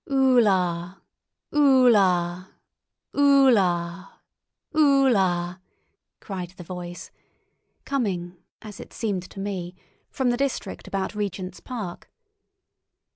"Ulla, ulla, ulla, ulla," cried the voice, coming, as it seemed to me, from the district about Regent's Park.